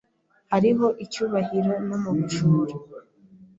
Hariho icyubahiro no mu bajura.